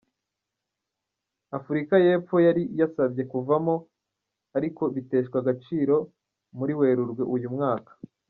Afurika y’Epfo yari yasabye kuvamo ariko biteshwa agaciro muri Werurwe uyu mwaka.